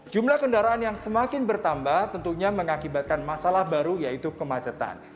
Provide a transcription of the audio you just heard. jumlah kendaraan yang semakin bertambah tentunya mengakibatkan masalah baru yaitu kemacetan